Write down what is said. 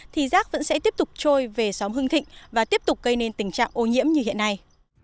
thì rác vẫn sẽ tiếp tục trôi về xóm hưng thịnh và tiếp tục gây nên tình trạng ô nhiễm như hiện nay